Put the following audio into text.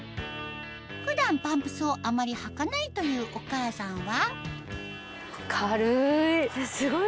普段パンプスをあまりはかないというお母さんは？